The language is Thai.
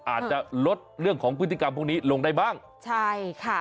อาจจะลดเรื่องของพฤติกรรมพวกนี้ลงได้บ้างใช่ค่ะ